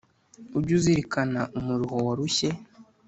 Ujye uzirikana umuruho warushye,